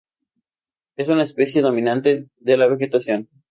Es una especie dominante de la vegetación.